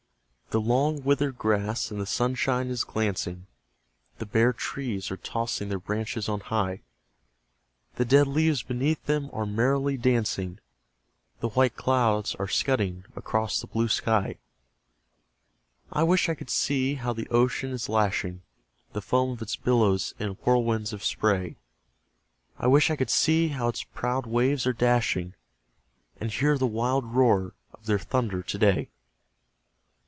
The long withered grass in the sunshine is glancing, The bare trees are tossing their branches on high; The dead leaves beneath them are merrily dancing, The white clouds are scudding across the blue sky I wish I could see how the ocean is lashing The foam of its billows to whirlwinds of spray; I wish I could see how its proud waves are dashing, And hear the wild roar of their thunder to day!